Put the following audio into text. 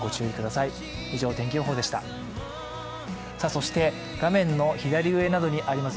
そして画面の左上などにあります